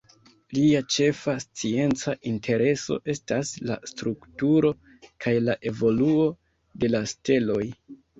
Lia ĉefa scienca intereso estas la strukturo kaj la evoluo de la steloj.